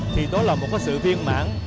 thì đó là một sự viên mãn